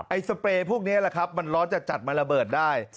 สเปรย์พวกนี้แหละครับมันร้อนจัดมันระเบิดได้